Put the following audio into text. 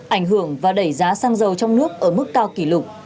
ảnh hưởng và đẩy giá xăng dầu trong nước ở mức cao kỷ lục